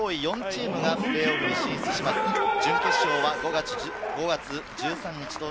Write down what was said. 上位４チームがプレーオフに進出します。